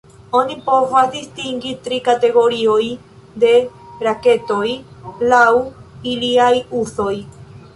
Oni povas distingi tri kategorioj de raketoj laŭ iliaj uzoj.